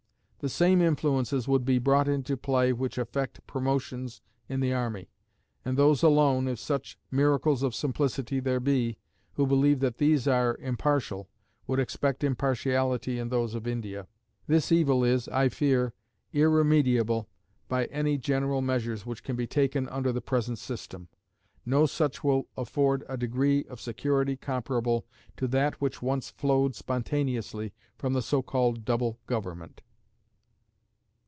The same influences would be brought into play which affect promotions in the army; and those alone, if such miracles of simplicity there be, who believe that these are impartial, would expect impartiality in those of India. This evil is, I fear, irremediable by any general measures which can be taken under the present system. No such will afford a degree of security comparable to that which once flowed spontaneously from the so called double government.